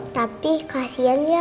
tapi kasian ya